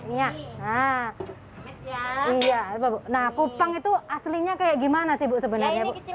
ini ya ehwhat bu nah pupang itu aslinya kayak gimana sih sebenarnya master